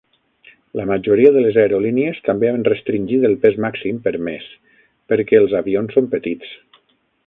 La majoria de les aerolínies també han restringit el pes màxim permès perquè els avions són petits.